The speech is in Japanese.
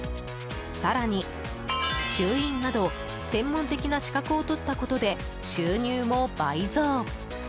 更に吸引など専門的な資格を取ったことで収入も倍増。